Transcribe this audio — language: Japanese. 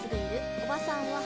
おばさんは。